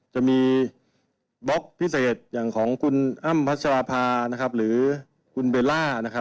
จะมีพิเศษบล็กเชื้อของขุนอ้ำภัสจาวภาคษ์และขุนเบลล่า